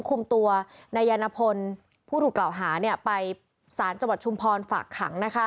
คุมตัวนายณพลผู้ถูกเหล่าหาไปสถานจบัติชุมพรฝากขัง